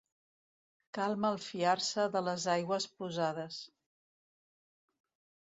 Cal malfiar-se de les aigües posades.